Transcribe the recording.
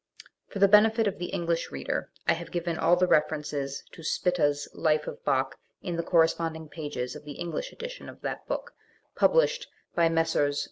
For the benefit of the English reader I have given all the references to Spitta's "Life of Bach" in the correspond ing pages of the English edition of that book, published by Messrs.